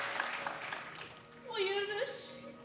お許し。